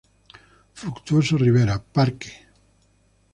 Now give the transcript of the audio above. Fructuoso Rivera", "Parque Brig.